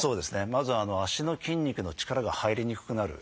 まず足の筋肉の力が入りにくくなる。